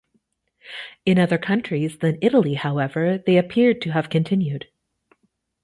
In other countries than Italy, however, they appear to have continued.